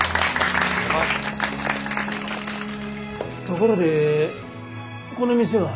ところでこの店は？